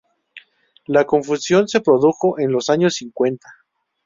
La confusión se produjo en los años cincuenta.